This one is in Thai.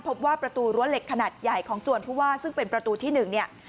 พบว่าประตูรั้วเหล็กขนาดใหญ่ของจวนผู้ว่าซึ่งเป็นประตูที่๑เนี่ย